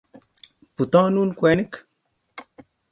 butonun kwenik